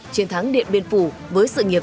chiến thắng điện biên phủ với sự nghiệp